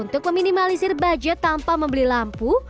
untuk meminimalisir budget tanpa membeli lampu